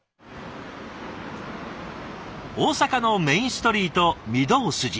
大阪のメインストリート御堂筋。